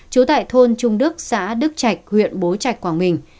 trú tại thôn trung đức xã đức trạch huyện bố trạch quảng bình